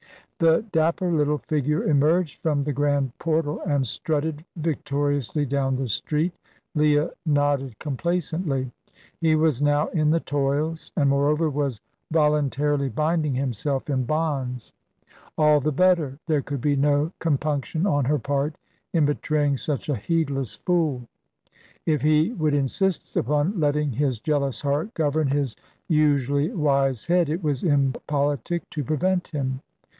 The dapper little figure emerged from the grand portal, and strutted victoriously down the street. Leah nodded complacently. He was now in the toils, and, moreover, was voluntarily binding himself in bonds. All the better; there could be no compunction on her part in betraying such a heedless fool. If he would insist upon letting his jealous heart govern his usually wise head, it was impolitic to prevent him.